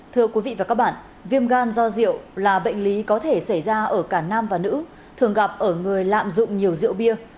thưa quý vị và các bạn viêm gan do rượu là bệnh lý có thể xảy ra ở cả nam và nữ thường gặp ở người lạm dụng nhiều rượu bia